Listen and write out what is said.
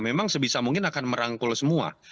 memang sebisa mungkin akan merangkul semua